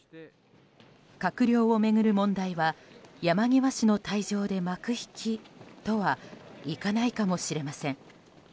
閣僚を巡る問題は山際氏の退場で幕引きとはいかないかもしれません。